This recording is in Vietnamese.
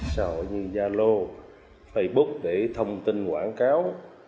sở như zalo facebook để thông tin quảng cáo